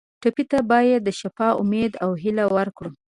ټپي ته باید د شفا امید او هیله ورکړو.